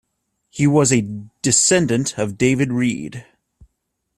He was a descendant of David Reed.